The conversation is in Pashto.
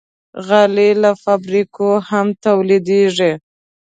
غالۍ له فابریکو هم تولیدېږي.